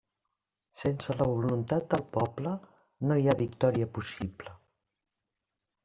Sense la voluntat del poble no hi ha victòria possible.